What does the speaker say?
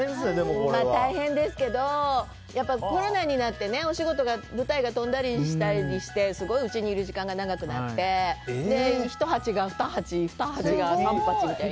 大変ですけど、コロナになってお仕事が、舞台が飛んだりしてすごいうちにいる時間が長くなったりして。